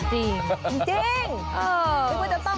จริง